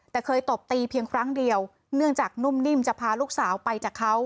แต่เคยตบตีเพียงครั้งเดียวเนื่องจากนุ่มนิ่มจะพาลูกสาวไปจากเขา